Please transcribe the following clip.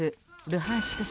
ルハンシク